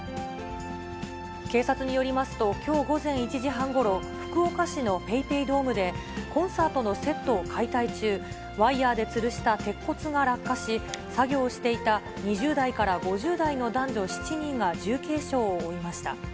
警察によりますと、きょう午前１時半ごろ、福岡市のＰａｙＰａｙドームで、コンサートのセットを解体中、ワイヤーでつるした鉄骨が落下し、作業していた２０代から５０代の男女７人が重軽傷を負いました。